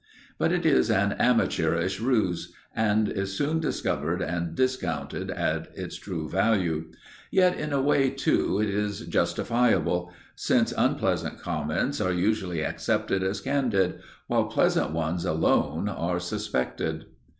But it is an amateurish ruse, and is soon discovered and discounted at its true value. Yet in a way, too, it is justifiable, since unpleasant comments are usually accepted as candid, while pleasant ones alone are suspected.